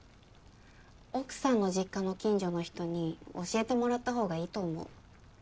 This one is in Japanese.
奥さんの実家の近所の人に教えてもらった方がいいと思う。